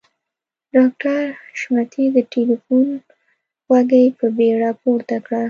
ډاکټر حشمتي د ټليفون غوږۍ په بیړه پورته کړه.